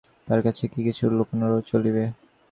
তাঁর কাছে কি কিছু লুকানো চলিবে?